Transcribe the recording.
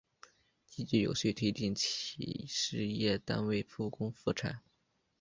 积极有序推进企事业单位复工复产